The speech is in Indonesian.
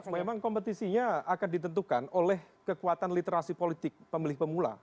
memang kompetisinya akan ditentukan oleh kekuatan literasi politik pemilih pemula